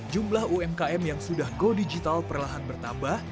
jumlah umkm yang sudah go digital perlahan bertambah